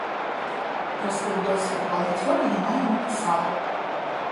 Пра свой досвед валанцёра яна і напісала.